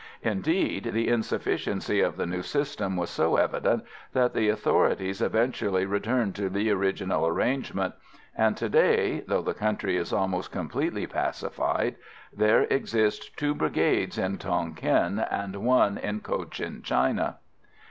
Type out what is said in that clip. Indeed, the insufficiency of the new system was so evident that the authorities eventually returned to the original arrangement; and to day, though the country is almost completely pacified, there exist two brigades in Tonquin and one in Cochin China.